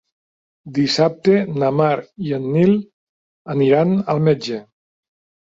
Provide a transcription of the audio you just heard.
Dissabte na Mar i en Nil aniran al metge.